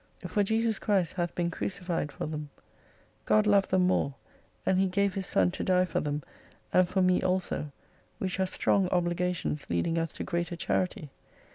For Jesus Christ hath been crucified for them. God loved them more, and He gave His Son to die for them, and for me also, which are strong obligations leading us to greater charity.